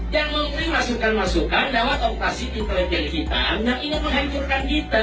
yang mengikuti masukan masukan jawab operasi intelijen kita yang ingin menghancurkan kita